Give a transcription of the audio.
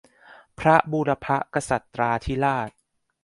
พระบุรพกษัตริยาธิราช